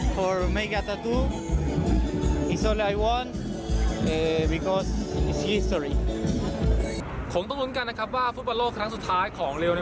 ผมต้องการการการแขนมันที่นี่